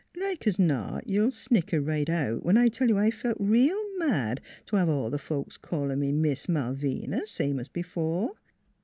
Like as not you will snicker right out when I tell you I felt real mad to have all the folks calling me Miss Malvina, same as before.